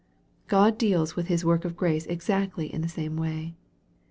God deals with His work of grace exactly in the same way.